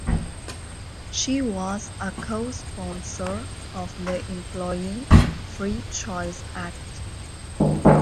She was a co-sponsor of the Employee Free Choice Act.